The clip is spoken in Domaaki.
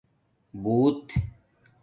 بُݸت